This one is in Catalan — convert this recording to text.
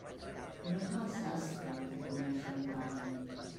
No és mal sastre, el qui coneix el panyo.